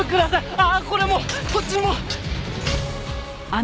ああこれも！こっちも！